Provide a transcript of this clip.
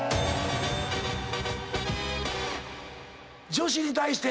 女子に対して。